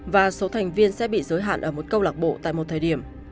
và số thành viên sẽ bị giới hạn ở một câu lạc bộ tại một thời điểm